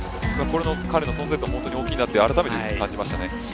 彼の存在感は本当に大きいなとあらためて感じましたね。